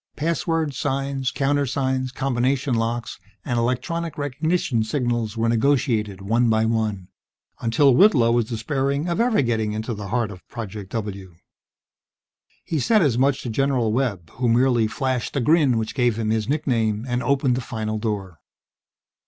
Passwords, signs, countersigns, combination locks and electronic recognition signals were negotiated one by one, until Whitlow was despairing of ever getting into the heart of Project W. He said as much to General Webb, who merely flashed the grin which gave him his nickname, and opened a final door.